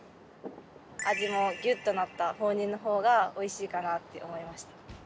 味もギュッとなった放任の方がおいしいかなって思いました。